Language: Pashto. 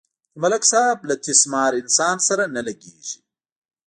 د ملک صاحب له تیس مار انسان سره نه لگېږي.